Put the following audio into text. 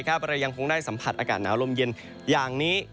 เรายังคงได้สัมผัสอากาศหนาวลมเย็นอย่างนี้